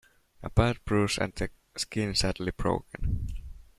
A bad bruise, and the skin sadly broken.